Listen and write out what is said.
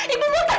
ibu mau tenang